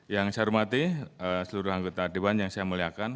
yang saya hormati seluruh anggota dewan yang saya muliakan